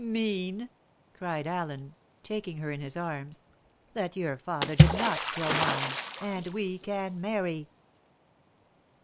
"Mean!" cried Allen, taking her in his arms "that your father did not kill mine and we can marry!"